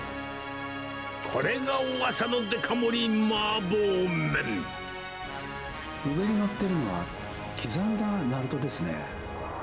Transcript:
これがうわさのデカ盛り麻婆上に載ってるのは、刻んだなるとですね。